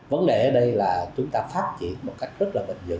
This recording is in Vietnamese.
vấn đề ở đây là chúng ta phát triển một cách rất là bình dự